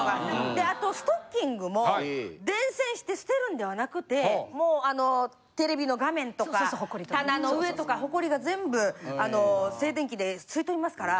であとストッキングも伝染して捨てるんではなくてもうテレビの画面とか棚の上とかほこりが全部静電気で吸い取りますから。